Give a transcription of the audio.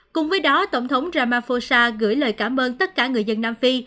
cùng với đó tổng thống ramaphosa gửi lời cảm ơn tất cả người dân nam phi